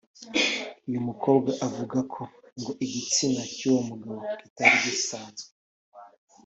uyu mukobwa avuga ko ngo igitsina cy’uwo mugabo kitari gisanzwe